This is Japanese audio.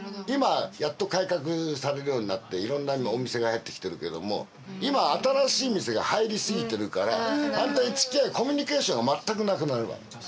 今やっと改革されるようになっていろんなお店が入ってきてるけども今新しい店が入りすぎてるから反対につきあいコミュニケーションが全くなくなるわね。